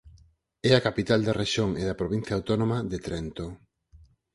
É a capital da rexión e da provincia autónoma de Trento.